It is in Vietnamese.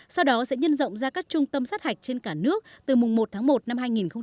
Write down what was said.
sau đó sẽ nhân rộng ra các trung tâm sát hạch trên cả nước từ mùng một tháng một năm hai nghìn hai mươi